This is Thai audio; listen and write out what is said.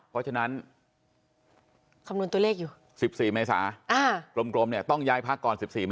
เพราะฉะนั้น